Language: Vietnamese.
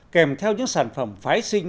kèm theo những sản phẩm phái sinh